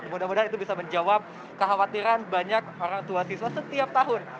mudah mudahan itu bisa menjawab kekhawatiran banyak orang tua siswa setiap tahun